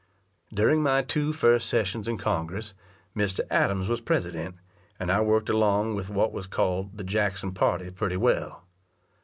During my two first sessions in Congress, Mr. Adams was president, and I worked along with what was called the Jackson party pretty well.